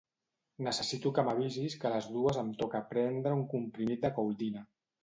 Necessito que m'avisis que a les dues em toca prendre un comprimit de Couldina.